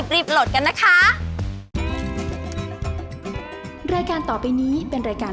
รีบโหลดกันนะคะ